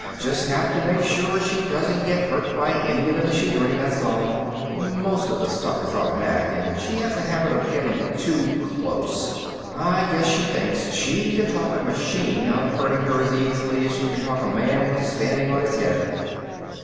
Just have to make sure she doesn't get hurt by any of the machinery, that's all. Most of the stuff is automatic, and she has a habit of getting too close. I guess she thinks she can talk a machine out of hurting her as easily as she can talk a man into standing on his head."